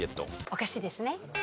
おかしいですね。